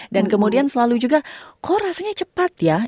dan kemudian selalu juga kok rasanya cepat ya